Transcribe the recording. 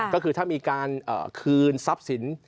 ก็คือถ้ามีการคืนทรัพย์สิน